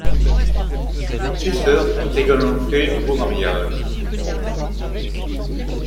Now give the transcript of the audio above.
Ses sœurs ont également fait de beaux mariages.